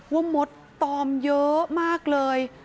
มดตอมเยอะมากเลย